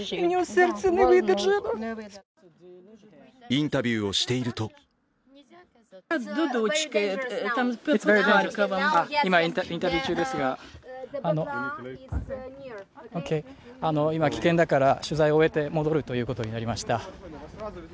インタビューをしていると今、危険だから取材を終えて戻るということになりました。